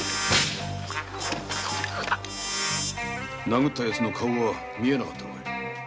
殴ったヤツの顔は見えなかったのかい？